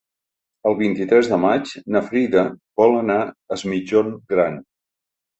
El vint-i-tres de maig na Frida vol anar a Es Migjorn Gran.